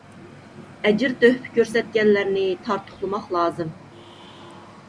ئەجىر - تۆھپە كۆرسەتكەنلەرنى تارتۇقلىماق لازىم.